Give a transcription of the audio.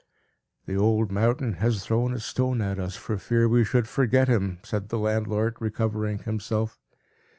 "The old mountain has thrown a stone at us, for fear we should forget him," said the landlord, recovering himself.